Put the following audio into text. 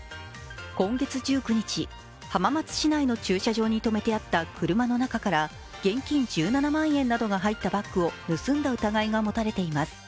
今月１９日、浜松市内の駐車場に止めてあった車の中から現金１７万円などが入ったバッグを盗んだ疑いが持たれています。